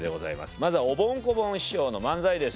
まずはおぼん・こぼん師匠の漫才です。